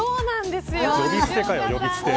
呼び捨てかよ、呼び捨て。